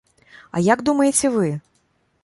А як думаеце вы?